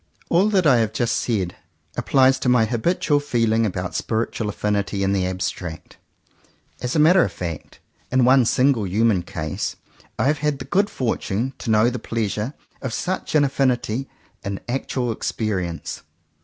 All that I have just said applies to my habitual feeling about spiritual affinity in the abstract. As a matter of fact, in one single human case, I have had the good fortune to know the pleasure of such an affinity in actual experience.